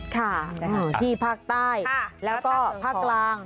ค่ะอยู่ที่ภาคใต้แล้วก็ภาคกลาง